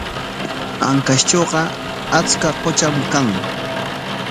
Ancashtrawqa achka qutram kan.